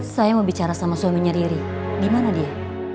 saya mau bicara sama suaminya riri dimana dia